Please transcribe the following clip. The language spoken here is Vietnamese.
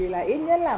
là ít nhất là